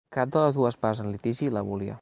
Cap de les dues parts en litigi la volia.